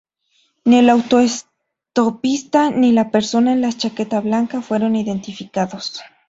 Ni el autoestopista ni la persona en la chaqueta blanca fueron identificados.